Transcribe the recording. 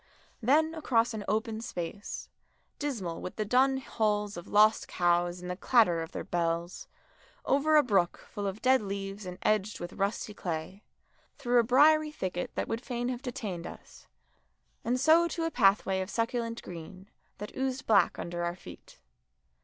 Then across an open place, dismal with the dun hulls of lost cows and the clatter of their bells, over a brook full of dead leaves and edged with rusty clay, through a briery thicket that would fain have detained us, and so to a pathway of succulent green, that oozed black under our feet.